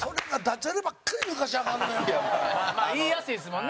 陣内：言いやすいですもんね。